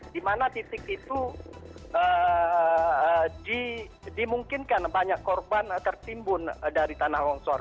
di mana titik itu dimungkinkan banyak korban tertimbun dari tanah longsor